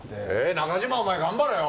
中嶋、お前頑張れよ！